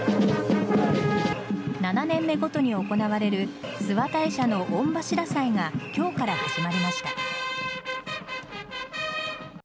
７年目ごとに行われる諏訪大社の御柱祭が今日から始まりました。